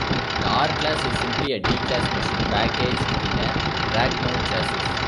The R-class is simply a D-class machine packaged in a rack-mount chassis.